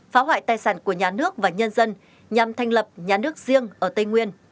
phá hoại tài sản của nhà nước và nhân dân nhằm thành lập nhà nước riêng ở tây nguyên